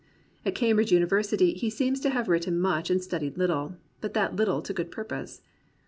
At Cambridge University he seems to have written much and studied Httle, but that little to good purpose.